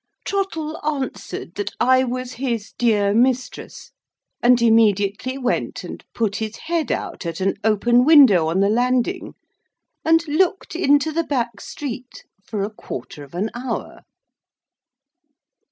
Trottle answered that I was his dear mistress, and immediately went and put his head out at an open window on the landing, and looked into the back street for a quarter of an hour.